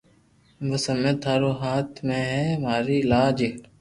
بس ھمي ٽارو ھاٿ مي ھي امري لاج